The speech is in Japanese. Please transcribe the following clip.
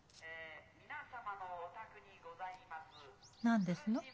何ですの？